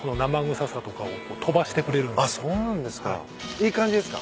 いい感じですか？